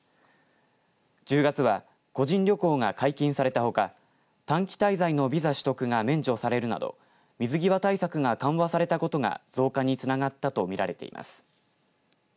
１０月は個人旅行が解禁されたほか短期滞在のビザ取得が免除されるなど水際対策が緩和されたことが増加につながったと見られています。